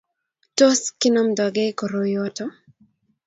tos kinomtokei koroyoto?